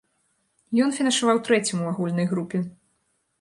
Ён фінішаваў трэцім у агульнай групе.